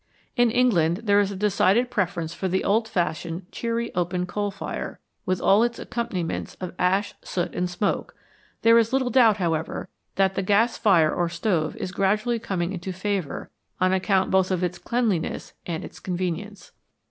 In England there is a decided preference for the old fashioned, cheery open coal fire, with all its accompaniments of ash, soot, and smoke ; there is little doubt, however, that the gas fire or stove is gradually coming into favour on account both of its cleanliness and its convenience.